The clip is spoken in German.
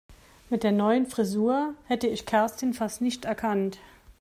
Mit der neuen Frisur hätte ich Kerstin fast nicht erkannt.